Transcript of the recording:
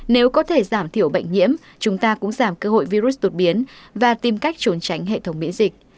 nếu có thể giảm thiểu bệnh nhiễm chúng ta cũng giảm cơ hội virus đột biến và tìm cách trốn tránh hệ thống miễn dịch